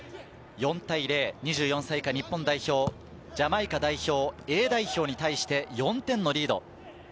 ４対０、２４歳以下日本代表、ジャマイカ代表Ａ代表に対して４点のリード。